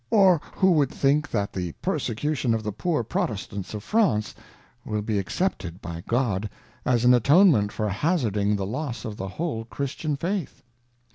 Or who can think that the Persecution of the Poor Protestants of France, will be accepted of God, as an Atonement for hazarding the loss of the whole Christian Faith